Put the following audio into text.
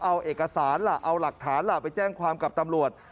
เอาเอกสารล่ะเอาหลักฐานล่ะไปแจ้งความกับตำรวจ